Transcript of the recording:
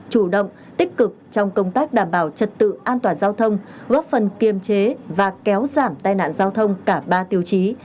chủ động tích cực trong công tác đảm bảo trật tự an toàn giao thông góp phần kiềm chế và kéo giảm tai nạn giao thông cả ba tiêu chí